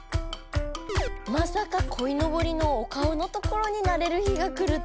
まさかこいのぼりのお顔のところになれる日が来るとは。